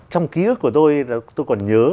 trong ký ức của tôi tôi còn nhớ